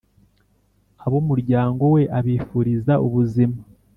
abu umuryango we abifuriza ubuzima